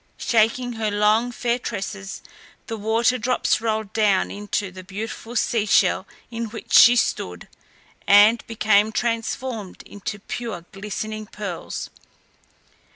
Shaking her long, fair tresses, the water drops rolled down into the beautiful sea shell in which she stood, and became transformed into pure glistening pearls.